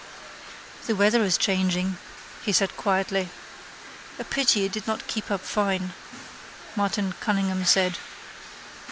—The weather is changing, he said quietly. —A pity it did not keep up fine, Martin Cunningham said.